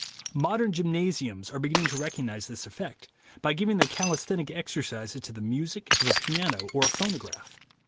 Modern gymnasiums are beginning to recognize this effect by giving their calisthenic exercises to the music of a piano or a phonograph.